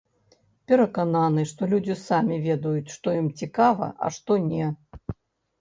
Перакананы, што людзі самі ведаюць, што ім цікава, а што не.